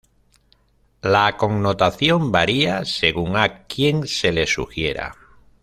La connotación varía según a quien se le sugiera.